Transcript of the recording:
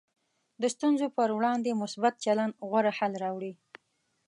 د ستونزو پر وړاندې مثبت چلند غوره حل راولي.